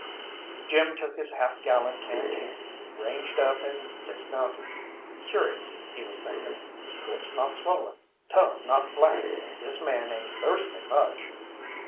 Jim took his half gallon canteen, ranged up, and dismounted. "Curious," he was thinking; "lips not swollen, tongue not black, this man ain't thirsty much!"